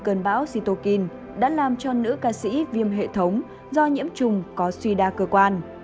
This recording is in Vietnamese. cơn bão sitokin đã làm cho nữ ca sĩ viêm hệ thống do nhiễm trùng có suy đa cơ quan